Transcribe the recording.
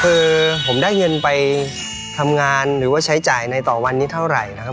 คือผมได้เงินไปทำงานหรือว่าใช้จ่ายในต่อวันนี้เท่าไหร่นะครับ